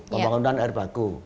pembangunan air baku